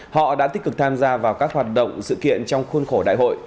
họ đã tích cực tham gia vào các hoạt động sự kiện trong khuôn khổ đại hội